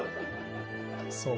そう。